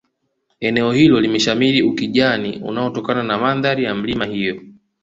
eneo hilo limeshamiri ukijani unaotokana na mandhari ya milima hiyo